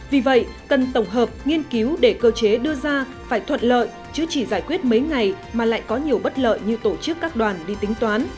vì vậy cần tổng hợp nghiên cứu để cơ chế đưa ra phải thuận lợi chứ chỉ giải quyết mấy ngày mà lại có nhiều bất lợi như tổ chức các đoàn đi tính toán